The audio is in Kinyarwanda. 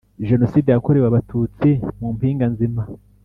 Jenoside yakorewe abatutsi mu mpinganzima